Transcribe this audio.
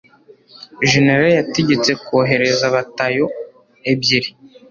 jenerali yategetse kohereza batayo ebyiri